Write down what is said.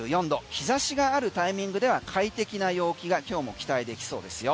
日差しがあるタイミングでは快適な陽気が今日も期待できそうですよ。